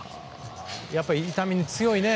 やっぱり痛みに強いね。